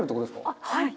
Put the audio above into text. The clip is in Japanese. はい。